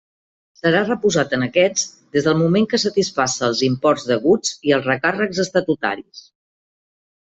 Serà reposat en aquests des del moment que satisfaça els imports deguts i els recàrrecs estatutaris.